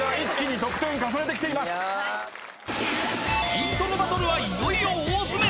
［イントロバトルはいよいよ大詰め］